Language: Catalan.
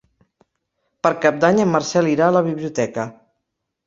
Per Cap d'Any en Marcel irà a la biblioteca.